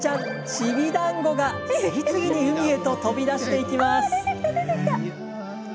チビダンゴが次々に海へと飛び出していきます。